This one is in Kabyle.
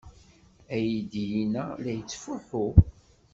Aydi-inna la yettfuḥu!